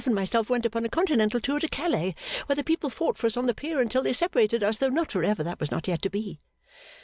and myself went upon a continental tour to Calais where the people fought for us on the pier until they separated us though not for ever that was not yet to be.